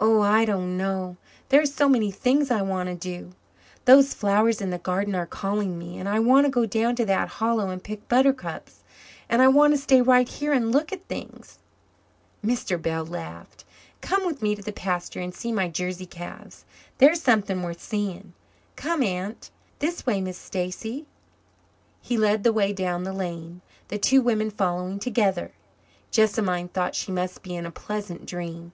"Oh, I don't know. There are so many things I want to do. Those flowers in the garden are calling me and I want to go down to that hollow and pick buttercups and I want to stay right here and look at things." Mr. Bell laughed. "Come with me to the pasture and see my Jersey calves. They're something worth seeing. Come, Aunt. This way, Miss Stacy." He led the way down the lane, the two women following together. Jessamine thought she must be in a pleasant dream.